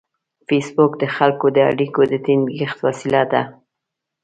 فېسبوک د خلکو د اړیکو د ټینګښت وسیله ده